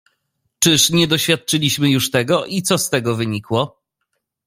"Czyż nie doświadczyliśmy już tego i co z tego wynikło?"